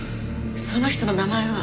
その人の名前は？